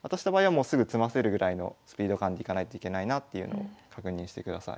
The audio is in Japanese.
もうすぐ詰ませるぐらいのスピード感でいかないといけないなっていうのを確認してください。